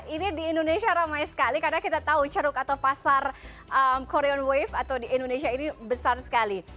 ini di indonesia ramai sekali karena kita tahu ceruk atau pasar korean wave atau di indonesia ini besar sekali